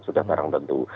sudah barang tentu